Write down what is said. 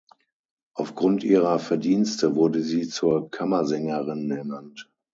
Aufgrund ihrer Verdienste wurde sie zur Kammersängerin ernannt.